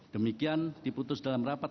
demikian diputus dalam rapat